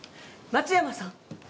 松山さん